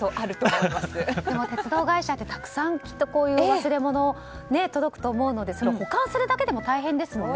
鉄道会社って、たくさん忘れ物が届くと思うので保管するだけでも大変ですよね。